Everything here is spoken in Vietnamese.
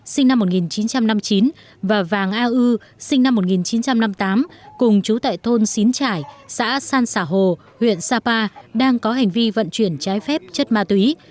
sinh năm một nghìn chín trăm năm mươi chín và vàng a ư sinh năm một nghìn chín trăm năm mươi tám cùng chú tại thôn xín trải xã san xả hồ huyện sapa đang có hành vi vận chuyển trái phép chất ma túy